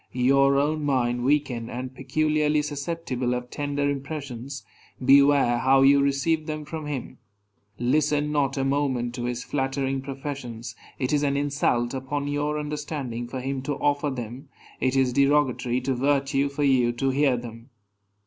Your own mind weakened, and peculiarly susceptible of tender impressions, beware how you receive them from him. Listen not a moment to his flattering professions; it is an insult upon your understanding for him to offer them; it is derogatory to virtue for you to hear them.